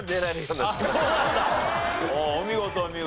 お見事お見事。